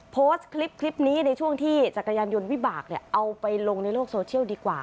โพสต์คลิปนี้ในช่วงที่จักรยานยนต์วิบากเอาไปลงในโลกโซเชียลดีกว่า